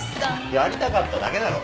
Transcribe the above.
やりたかっただけだろ。